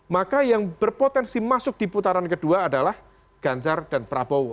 maka yang berpotensi masuk di putaran kedua adalah ganjar dan prabowo